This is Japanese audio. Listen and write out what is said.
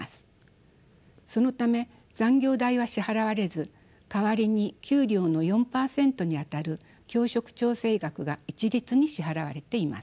そのため残業代は支払われず代わりに給料の４％にあたる教職調整額が一律に支払われています。